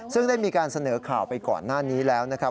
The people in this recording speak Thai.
ซึ่งได้มีการเสนอข่าวไปก่อนหน้านี้แล้วนะครับ